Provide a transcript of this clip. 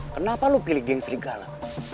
kenapa lo pilih game serigala